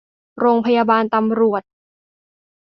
โรงพยาบาลตำรวจ